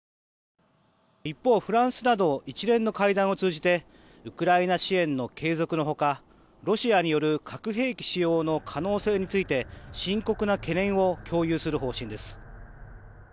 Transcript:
一方、フランスなど一連の会談を通じてウクライナ支援の継続のほかロシアによる核兵器使用の可能性について深刻な懸念を共有する方針です。